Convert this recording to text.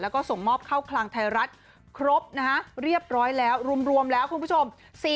แล้วก็ส่งมอบเข้าคลังไทยรัฐครบนะฮะเรียบร้อยแล้วรวมแล้วคุณผู้ชม